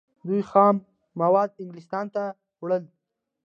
دوی خام مواد انګلستان ته وړل.